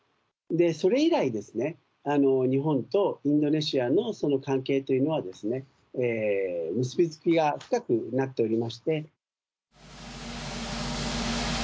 それ以来ですね、日本とインドネシアの関係というのは、結びつきが深くなっておりまして。